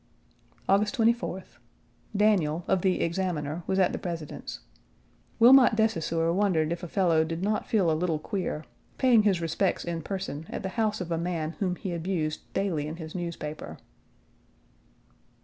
August 24th. Daniel, of The Examiner, was at the President's. Wilmot de Saussure wondered if a fellow did not feel a little queer, paying his respects in person at the house of a man whom he abused daily in his newspaper.